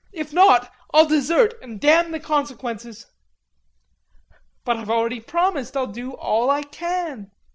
If not, I'll desert and damn the consequences." "But I've already promised I'll do all I can...."